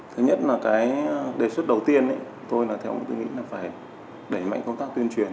tuy nhiên tôi nghĩ là phải đẩy mạnh công tác tuyên truyền